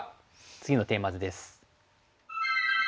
次のテーマ図です。